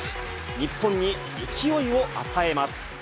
日本に勢いを与えます。